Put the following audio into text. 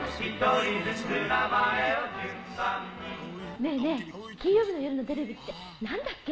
ねぇねぇ、金曜日の夜のテレビってなんだっけ。